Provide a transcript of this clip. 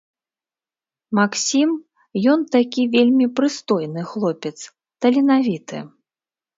Максім, ён такі вельмі прыстойны хлопец, таленавіты.